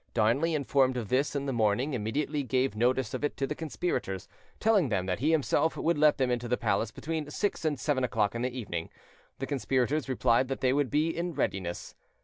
Darnley, informed of this in the morning, immediately gave notice of it to the conspirators, telling them that he himself would let them into the palace between six and seven o'clock in the evening. The conspirators replied that they would be in readiness.